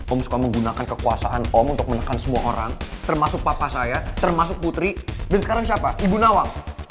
om suka menggunakan kekuasaan om untuk menekan semua orang termasuk papa saya termasuk putri dan sekarang siapa ibu nawang